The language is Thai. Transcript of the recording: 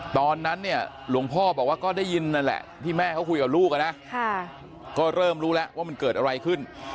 ตอนนั้นเนี่ยหลวงพ่อบอกว่าก็ได้ยินนั่นแหละที่แม่เขาคุยกับลูกนะก็เริ่มรู้แล้วว่ามันเกิดอะไรขึ้น